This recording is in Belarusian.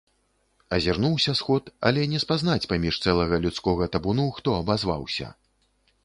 Азірнуўся сход, але не спазнаць паміж цэлага людскога табуну, хто абазваўся.